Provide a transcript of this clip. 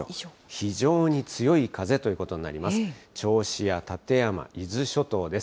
非常に強い風ということになります。